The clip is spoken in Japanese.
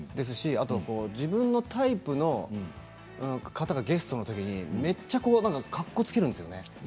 自分のタイプの方がゲストの時にめっちゃかっこつけるんですよね。